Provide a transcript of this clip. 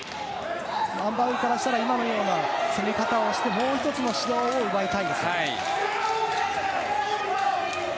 アン・バウルからしたら今のような攻め方をしてもう１つの指導を奪いたいですよね。